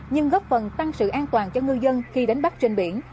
nhưng góp phần tăng sự an toàn cho ngư dân khi đánh bắt trên biển